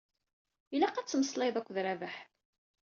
Ilaq ad temmeslayeḍ akked Rabaḥ.